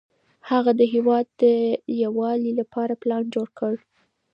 هغه د هېواد د یووالي لپاره پلان جوړ کړ.